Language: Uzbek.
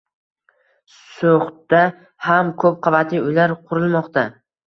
So‘xda ham ko‘p qavatli uylar qurilmoqda